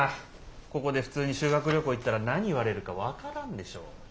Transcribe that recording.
ここで普通に修学旅行行ったら何言われるか分からんでしょ。